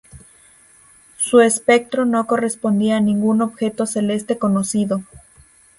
Su espectro no correspondía a ningún objeto celeste conocido.